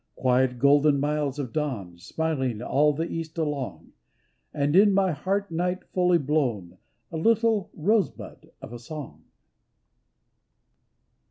Quiet golden miles of dawn — Smiling all the East along; And in my heart night fully blown, A little rose bud of a song.